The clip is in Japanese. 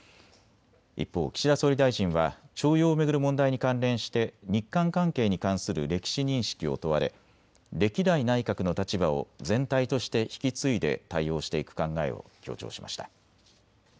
一方、岸田総理大臣は徴用を巡る問題に関連して日韓関係に関する歴史認識を問われ歴代内閣の立場を全体として引き継いで対応していく考えを強調しました。